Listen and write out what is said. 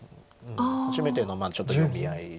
初めてのちょっと読み合い。